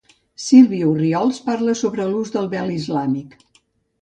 Sílvia Orriols parla sobre l'ús del vel islàmic.